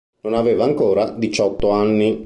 Non aveva ancora diciotto anni.